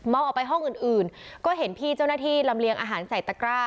ออกไปห้องอื่นก็เห็นพี่เจ้าหน้าที่ลำเลียงอาหารใส่ตะกร้า